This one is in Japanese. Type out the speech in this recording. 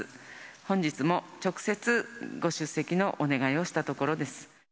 本日も直接ご出席のお願いをしたところです。